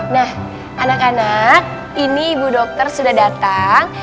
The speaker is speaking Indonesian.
nah anak anak ini ibu dokter sudah datang